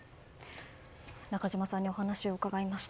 中島さんにお話を伺いました。